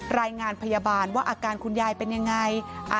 รายงานพยาบาลว่าอาการคุณยายเป็นยังไง